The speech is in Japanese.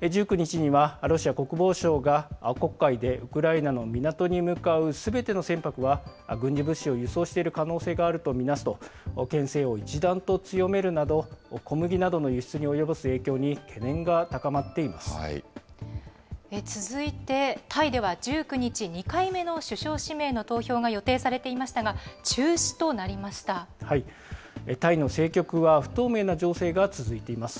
１９日にはロシア国防省が黒海でウクライナの港に向かうすべての船舶は軍事物資を輸送している可能性があると見なすとけん制を一段と強めるなど、小麦などの輸出に及ぼす影響に懸念が高まってい続いて、タイでは１９日、２回目の首相指名の投票が予定されていましたが、中止となりましタイの政局は不透明な情勢が続いています。